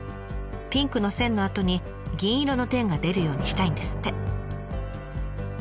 ピンクの線のあとに銀色の点が出るようにしたいんですって。